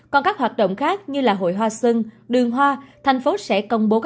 còn các hoạt động khác như là hội hoa sân đường hoa tp hcm sẽ công bố